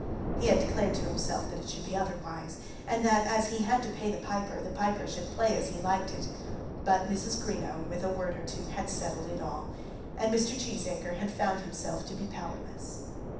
He had declared to himself that it should be otherwise; and that as he had to pay the piper, the piper should play as he liked it. But Mrs. Greenow with a word or two had settled it all, and Mr. Cheesacre had found himself to be powerless.